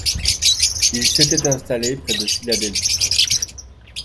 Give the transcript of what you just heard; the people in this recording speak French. Il s'était installé près de Philadelphie.